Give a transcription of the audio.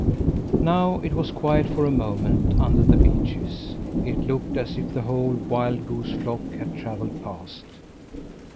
Now it was quiet for a moment under the beeches. It looked as if the whole wild goose flock had travelled past.